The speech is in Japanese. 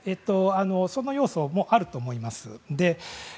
その要素もあると思います。